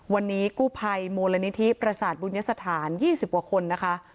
วันนี้กู้ภัยมูลนิธิประสาทบุญสถาน๒๐กว่าคนนะคะ